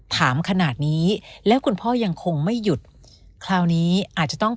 ถามขนาดนี้แล้วคุณพ่อยังคงไม่หยุดคราวนี้อาจจะต้อง